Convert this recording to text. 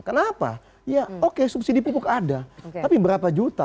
kenapa ya oke subsidi pupuk ada tapi berapa juta